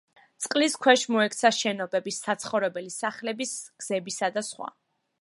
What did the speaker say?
წყლის ქვეშ მოექცა შენობების, საცხოვრებელი სახლების, გზებისა და სხვა.